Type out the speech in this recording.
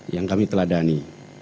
yang kami teladani